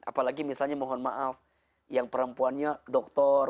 apalagi misalnya mohon maaf yang perempuannya dokter